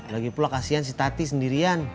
lagipula kasihan si tati sendirian